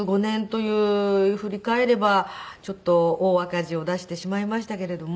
振り返ればちょっと大赤字を出してしまいましたけれども。